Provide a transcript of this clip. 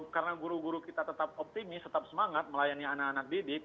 karena guru guru kita tetap optimis tetap semangat melayani anak anak didik